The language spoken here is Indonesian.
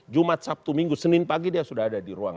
jumat sabtu minggu senin pagi dia sudah ada di ruang